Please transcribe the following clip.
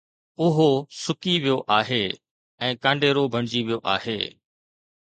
اُهو سُڪي ويو آهي ۽ ڪانڊيرو بڻجي ويو آهي